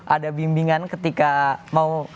ada bimbingan ketika mau